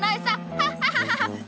ハッハハハ！